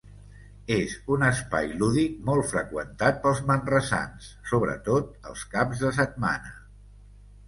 És un espai lúdic molt freqüentat pels manresans, sobretot els caps de setmana.